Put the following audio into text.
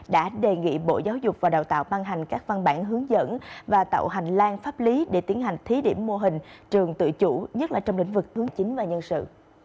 đã đề nghị bộ giáo dục và đào tạo ban hành các văn bản hướng dẫn và tạo hành lang pháp lý để tiến hành thí điểm mô hình trường tự chủ nhất là trong lĩnh vực hướng chính và nhân sự